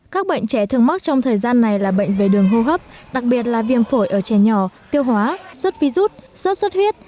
các bệnh trẻ thường mắc trong thời gian này là bệnh về đường hô hấp đặc biệt là viêm phổi ở trẻ nhỏ tiêu hóa suất vi rút suất suất huyết